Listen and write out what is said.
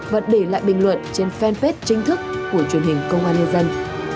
và để lại bình luận trên fanpage chính thức của truyền hình công an nhân dân